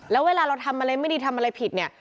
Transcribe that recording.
แล้วเวลาเราทำอะไรไม่ดีทำอะไรผิดเนี่ย